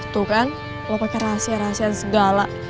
tuh kan lo pake rahasia rahasian segala